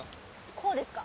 こうですか？